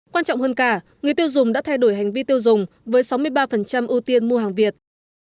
quan trọng hơn cả người tiêu dùng đã thay đổi hành vi tiêu dùng với sáu mươi ba ưu tiên mua hàng việt